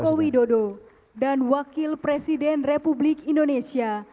insinyur haji joko widodo dan wakil presiden republik indonesia